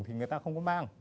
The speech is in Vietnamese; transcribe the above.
thì người ta không có mang